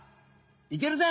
いけるぜ！